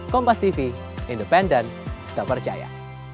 kompas tv independen tak percaya